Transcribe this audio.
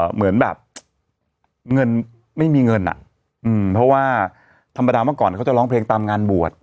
เหมือนแบบเงินไม่มีเงินอ่ะเพราะว่าธรรมดาเมื่อก่อนเขาจะร้องเพลงตามงานบวช